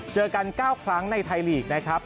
เจอกัน๙ครั้งในไทยลีกนะครับ